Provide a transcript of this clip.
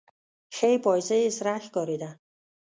ښۍ پايڅه يې سره ښکارېده.